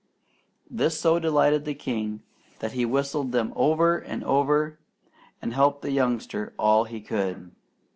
This so delighted the king that he whistled them over and over and helped the youngster all he could.